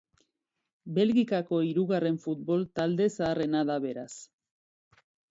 Belgikako hirugarren futbol talde zaharrena da beraz.